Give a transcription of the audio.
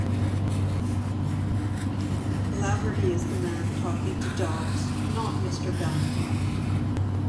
Laverty is the man talking to Dobbs, not Mr. Bancroft.